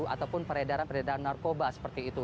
ataupun peredaran peredaran narkoba seperti itu